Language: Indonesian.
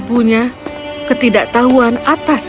percaya tidak benar sekali